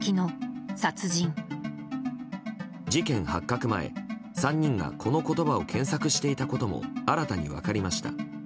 事件発覚前、３人がこの言葉を検索していたことも新たに分かりました。